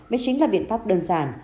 mới chính là biện pháp đơn giản